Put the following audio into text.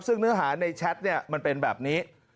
ซึ่งเนื้อหาในแชทมันเป็นแบบนี้